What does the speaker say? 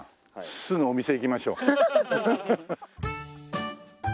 すぐお店行きましょう。